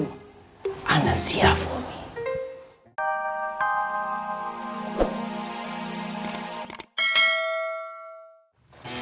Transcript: saya siap umi